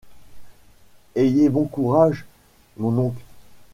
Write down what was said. Ayez bon courage, mon oncle !